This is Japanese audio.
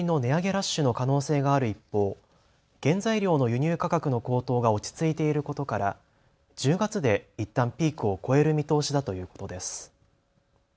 ラッシュの可能性がある一方、原材料の輸入価格の高騰が落ち着いていることから１０月でいったんピークを超える見通しだということです。